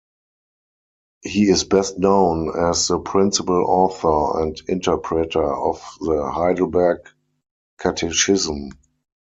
He is best known as the principal author and interpreter of the "Heidelberg Catechism".